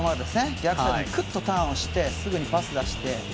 逆サイドにくっとターンしてすぐにパスを出して。